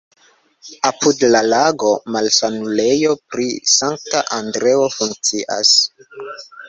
Apud la lago malsanulejo pri Sankta Andreo funkcias.